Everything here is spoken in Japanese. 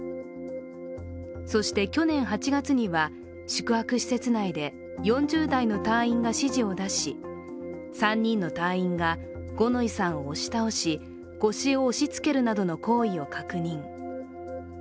そして去年８月には、宿泊施設内で４０代の隊員が指示を出し、３人の隊員が、五ノ井さんを押し倒し腰を押しつけるなどの行為を確認。